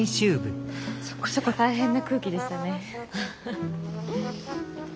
そこそこ大変な空気でしたね。